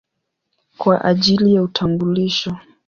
kwa ajili ya utambulisho.